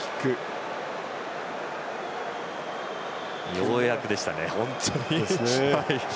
ようやくでしたね。